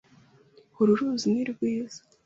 Uru ruzi ni rwiza.